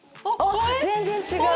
全然違う！